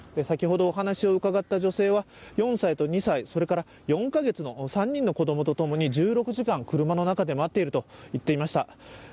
先ほどお話しを伺った女性は４歳と２歳４カ月の３人の子供とともに１６時間車の中で待っていると言っていました。